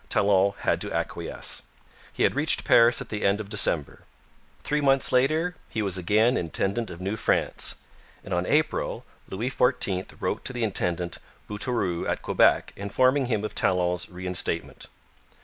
Talon had to acquiesce. He had reached Paris at the end of December. Three months later he was again intendant of New France, and on April Louis XIV wrote to the intendant Bouteroue at Quebec informing him of Talon's reinstatement.